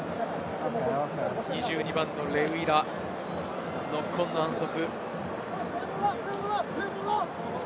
２２番のレウイラ、ノックオンの反則。